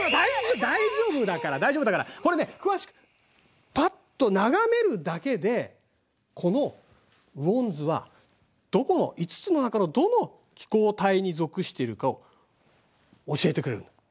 大丈夫大丈夫だからこれはねパッと眺めるだけでこの雨温図は５つの中のどの気候帯に属しているかを教えてくれるんだ。